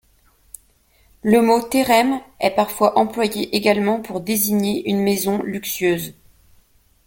Le mot terem est parfois employé également pour désigner une maison luxueuse.